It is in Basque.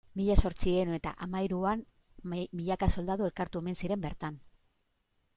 Mila zortziehun eta hamahiruan milaka soldadu elkartu omen ziren bertan.